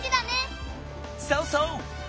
そうそう！